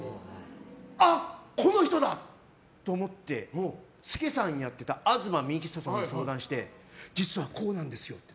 あっ、この人だ！と思って助さんやってた東幹久さんに相談して実はこうなんですよって。